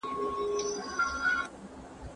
¬ چا په ورا کي نه پرېښاوه، ده ول د مخ اوښ زما دئ.